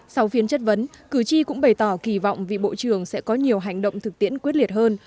sau phiên chất vấn cử tri cũng bày tỏ kỳ vọng vị bộ trưởng sẽ có nhiều hành động thực tiễn quyết liệt hơn